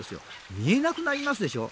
見えなくなりますでしょう。